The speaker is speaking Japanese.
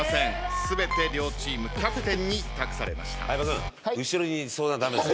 全て両チームキャプテンに託されました。